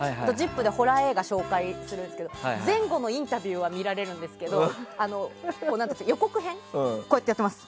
「ＺＩＰ！」でホラー映画を紹介するんですけど前後のインタビューは見られるんですけど予告編、こうやってます。